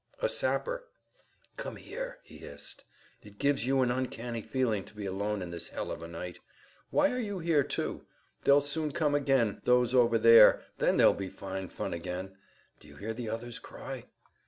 "A sapper." "Come here," he hissed. "It gives you an uncanny feeling to be alone in this hell of a night. Why are you here too?—They'll soon come again, those over there; then there'll be fine fun again. Do you hear the others cry?"